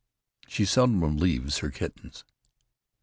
She seldom leaves her kittens.